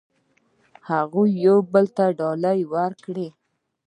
هغوی یو بل ته ډالۍ ورکړې.